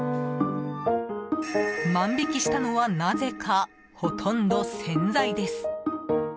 万引きしたのはなぜか、ほとんど洗剤です。